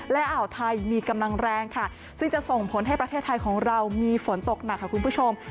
และอ่าวไทยมีกำลังแรงค่ะซึ่งจะส่งผลให้ประเทศไทยของเรามีฝนตกหนักค่ะคุณผู้ชม